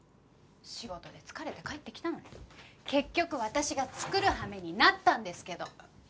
仕事で疲れて帰ってきたのに結局私が作る羽目になったんですけど？